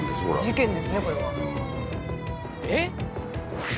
事件ですねこれは。